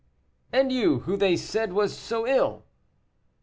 "And you, who they said was so ill."